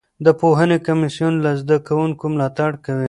د پوهنې کمیسیون له زده کوونکو ملاتړ کوي.